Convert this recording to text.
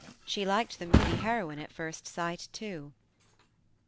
She liked the Movie Heroine at first sight, too.